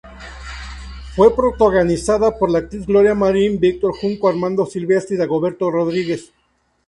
Fue protagonizada por la actriz Gloria Marín, Víctor Junco, Armando Silvestre y Dagoberto Rodríguez.